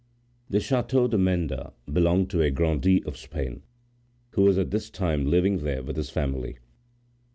The chateau de Menda belonged to a grandee of Spain, who was at this time living there with his family.